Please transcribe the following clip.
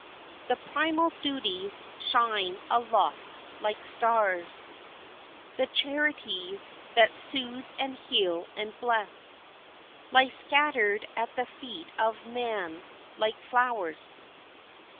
] "The primal duties shine aloft like stars, The charities that soothe and heal and bless Lie scattered at the feet of man like flowers."